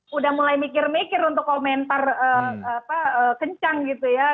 sudah mulai mikir mikir untuk komentar kencang gitu ya